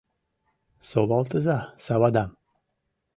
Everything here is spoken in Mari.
Солалтыза савадам